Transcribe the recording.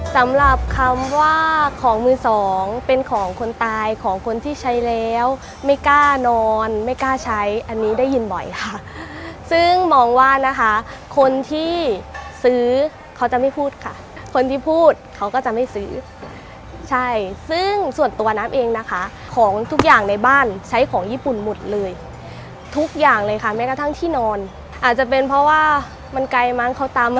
สำหรับคำว่าของมือสองเป็นของคนตายของคนที่ใช้แล้วไม่กล้านอนไม่กล้าใช้อันนี้ได้ยินบ่อยค่ะซึ่งมองว่านะคะคนที่ซื้อเขาจะไม่พูดค่ะคนที่พูดเขาก็จะไม่ซื้อใช่ซึ่งส่วนตัวน้ำเองนะคะของทุกอย่างในบ้านใช้ของญี่ปุ่นหมดเลยทุกอย่างเลยค่ะแม้กระทั่งที่นอนอาจจะเป็นเพราะว่ามันไกลมั้งเขาตาม